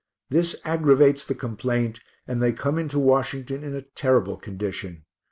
This aggravates the complaint, and they come into Washington in a terrible condition.